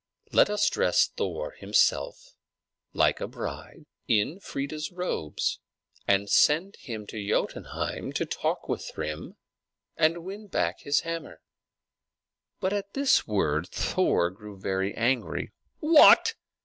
"Let us dress Thor himself like a bride in Freia's robes, and send him to Jotunheim to talk with Thrym and to win back his hammer." But at this word Thor grew very angry. "What!